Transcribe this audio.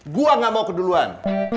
gua gak mau keduluan